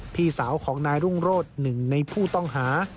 พี่สาวของนายรุ่งโรธหนึ่งในผู้ต้องหา